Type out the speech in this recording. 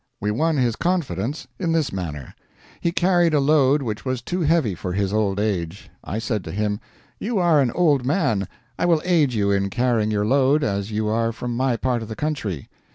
We won his confidence in this manner: he carried a load which was too heavy for his old age; I said to him, 'You are an old man, I will aid you in carrying your load, as you are from my part of the country.'